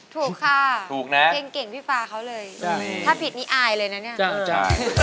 ถูกค่ะถูกนะเก่งเก่งพี่ฟ้าเขาเลยถ้าผิดนี้อายเลยนะเนี่ย